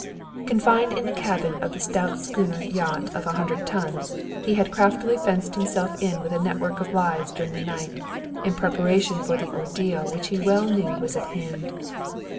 Confined in the cabin of the stout schooner yacht of a hundred tons, he had craftily fenced himself in with a network of lies during the night, in preparation for the ordeal which he well knew was at hand.